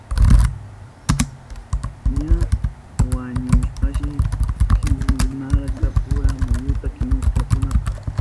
Ña wañuhushpanshi kiwnarka puru muyuta mikushkankunata.